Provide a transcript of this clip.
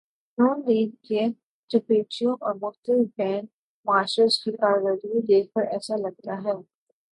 ن لیگ کے توپچیوں اور مختلف بینڈ ماسٹرز کی کارکردگی دیکھ کر ایسا لگتا ہے۔